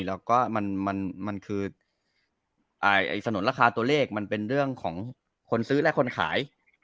และสนุนราคาตัวเลขมันเป็นเรื่องของคนซื้อและคนขาย